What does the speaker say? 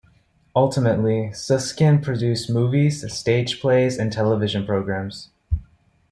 Ultimately, Susskind produced movies, stage plays and television programs.